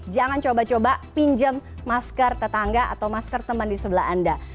jangan coba coba pinjam masker tetangga atau masker teman di sebelah anda